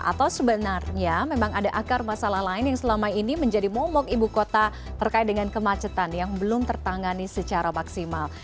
atau sebenarnya memang ada akar masalah lain yang selama ini menjadi momok ibu kota terkait dengan kemacetan yang belum tertangani secara maksimal